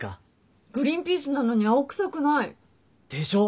グリーンピースなのに青臭くない。でしょ？